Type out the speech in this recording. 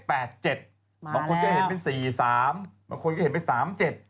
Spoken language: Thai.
บางคนก็เห็นเป็น๔๓บางคนก็เห็นเป็น๓๗